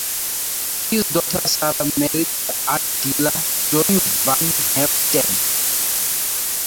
His daughter Sarah married the art dealer Johnny Van Haeften.